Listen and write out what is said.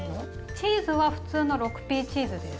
チーズは普通の６Ｐチーズです。